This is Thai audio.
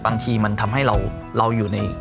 บางทีมันทำให้เราอยู่ใน